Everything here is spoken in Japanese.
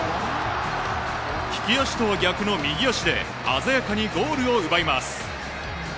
利き足とは逆の右足で鮮やかにゴールを奪います。